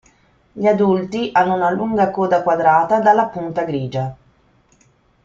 Gli adulti hanno una lunga coda quadrata dalla punta grigia.